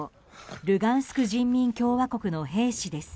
ルガンスク人民共和国の兵士です。